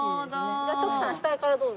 じゃあ徳さん下からどうぞ。